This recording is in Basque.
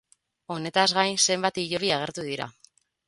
Honetaz gain, zenbait hilobi agertu dira.